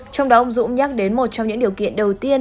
trong đó ông dũng nhắc đến một trong những điều kiện đầu tiên